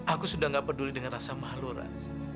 aku sudah gak peduli dengan rasa malu ran